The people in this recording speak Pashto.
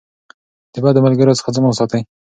د بدو ملګرو څخه ځان وساتئ.